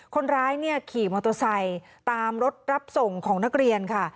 คนร้ายเนี่ยขี่มอเตอร์ไซค์ตามรถรับส่งของนักเรียนค่ะ